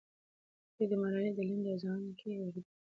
دوی د ملالۍ د لنډۍ ازانګې اورېدلې.